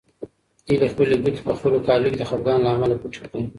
هیلې خپلې ګوتې په خپلو کالیو کې د خپګان له امله پټې کړې.